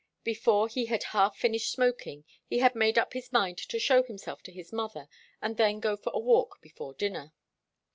Before he had half finished smoking he had made up his mind to show himself to his mother and then to go for a walk before dinner.